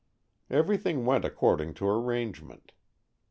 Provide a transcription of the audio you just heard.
Everything went according to arrange ment.